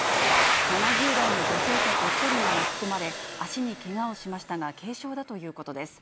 ７０代の女性客１人が巻き込まれ、足にけがをしましたが、軽傷だということです。